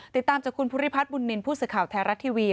ติดตามจากคุณภูริพัฒน์บุญนินทร์ผู้สื่อข่าวไทยรัฐทีวี